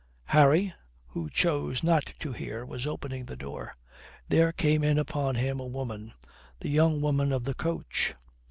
Harry, who chose not to hear, was opening the door. There came in upon him a woman the young woman of the coach.